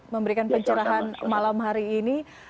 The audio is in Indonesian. memberikan pencerahan malam hari ini